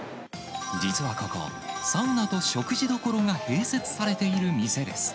実はここ、サウナと食事処が併設されている店です。